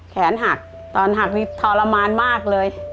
แขนหักตอนหักนี่ทรมานมากเลย